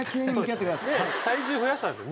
で体重増やしたんですよ